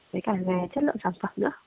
với cả chất lượng sản phẩm nữa